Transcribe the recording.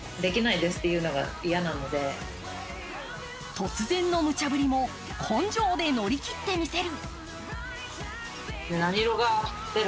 突然のむちゃぶりも根性で乗り切ってみせる。